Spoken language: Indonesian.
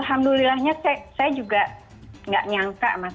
alhamdulillahnya saya juga nggak nyangka mas